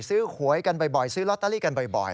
หวยกันบ่อยซื้อลอตเตอรี่กันบ่อย